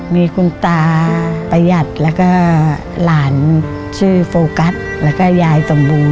มีคุณตาประหยัดแล้วก็หลานชื่อโฟกัสแล้วก็ยายสมบูรณ